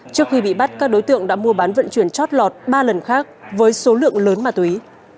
trước khi bị bắt các đối tượng đã mua bán vận chuyển chót lọt ba lần khác với số lượng lớn ma túy